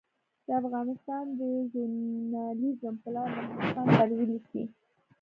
د افغانستان د ژورنالېزم پلار محمود خان طرزي لیکي.